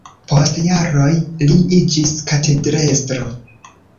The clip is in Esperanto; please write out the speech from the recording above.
Post jaroj li iĝis katedrestro.